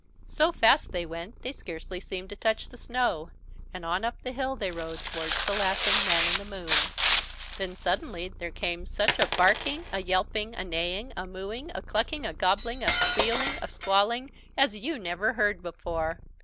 So fast they went they scarcely seemed to touch the snow, and on up the hill they rode towards the laughing Man in the Moon. Then suddenly there came such a barking, a yelping, a neighing, a mooing, a clucking, a gobbling, a squealing, a squawling, as you never heard before.